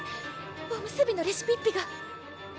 おむすびのレシピッピが！